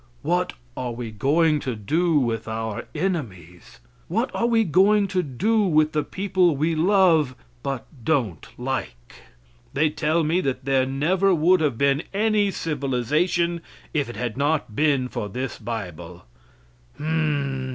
What are we going to do with our enemies? What are we going to do with the people we love but don't like? They tell me that there never would have been any civilization if it had not been for this bible.